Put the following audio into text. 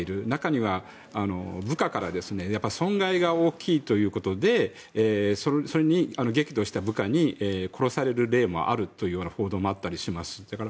中には部下から損害が大きいということでそれに激怒した部下に殺される例もあるという報道もあったりします。